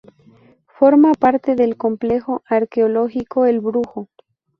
Forma parte del Complejo Arqueológico El Brujo.